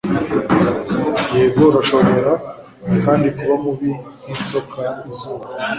yego urashobora kandi kuba mubi nkinzoka izuba